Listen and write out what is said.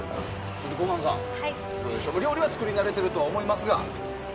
そして、ごはんさんお料理は作り慣れているとは思いますが。